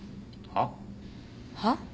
はっ？はっ？